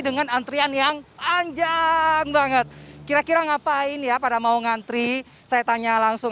dengan antrian yang panjang banget kira kira ngapain ya pada mau ngantri saya tanya langsung